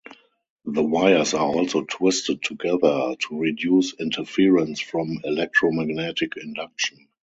The wires are also twisted together, to reduce interference from electromagnetic induction.